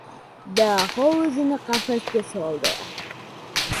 Daho o‘zini-o‘zi qafasga soldi.